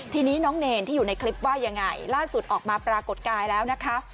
ทีนี้น้องเนรที่อยู่ในคลิปว่ายังไงล่าสุดออกมาปรากฏกายแล้วนะคะ